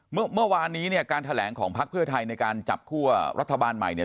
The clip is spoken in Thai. เมื่อวานนี้เนี่ยการแถลงของพักเพื่อไทยในการจับคั่วรัฐบาลใหม่เนี่ย